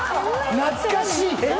懐かしい。